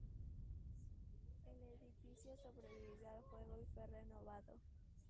El edificio sobrevivió al fuego y fue renovado.